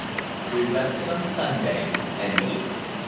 We rested on Sunday and ate.